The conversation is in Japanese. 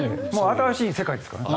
新しい世界ですからね。